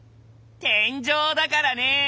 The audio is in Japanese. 天井だからね。